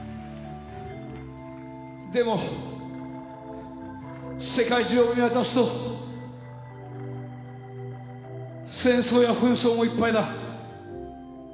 でも世界中を見渡すと戦争や紛争もいっぱいだ。